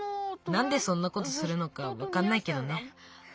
なんでそんなことするのかわかんないけどね。